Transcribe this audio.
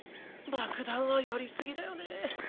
爆弾はやりすぎだよね。